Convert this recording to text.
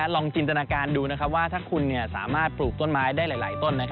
ลองจินตนาการดูว่าถ้าคุณสามารถปลูกต้นไม้ได้หลายต้น